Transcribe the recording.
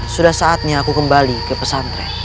sudah saatnya aku kembali ke pesantren